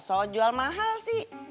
soal jual mahal sih